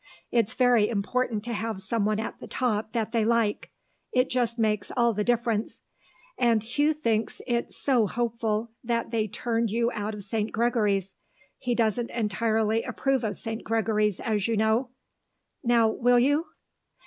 It's very important to have someone at the top that they like; it just makes all the difference. And Hugh thinks it so hopeful that they turned you out of St. Gregory's; he doesn't entirely approve of St. Gregory's, as you know. Now will you?"